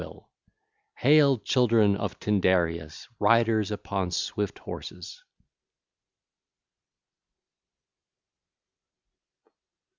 (l. 5) Hail, children of Tyndareus, riders upon swift horses!